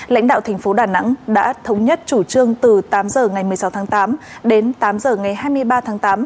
lãnh đạo thành phố đà nẵng đã thống nhất chủ trương từ tám h ngày một mươi sáu tháng tám đến tám h ngày hai mươi ba tháng tám